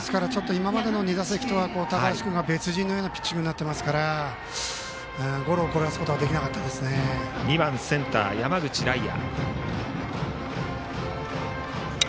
今までの２打席とは高橋君が別人のようなピッチングになっていますからゴロを転がすことはバッターは２番センター、山口頼愛。